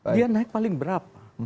dia naik paling berapa